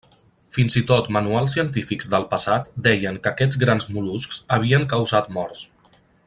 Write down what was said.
Fins i tot manuals científics del passat deien que aquests grans mol·luscs havien causat morts.